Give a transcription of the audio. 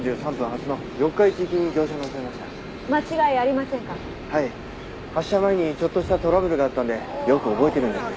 発車前にちょっとしたトラブルがあったのでよく覚えてるんです。